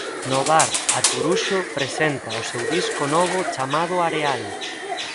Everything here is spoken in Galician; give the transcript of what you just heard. No bar Aturuxo presenta o seu disco novo chamado Areal.